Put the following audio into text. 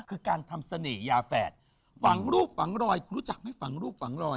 คือการทำเสน่หยาแฝดฝังรูปฝังรอยคุณรู้จักไหมฝังรูปฝังรอย